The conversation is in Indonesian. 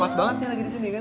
pas banget ya lagi di sini kan